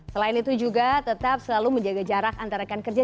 selain itu juga tetap selalu menjaga jarak antar rekan kerja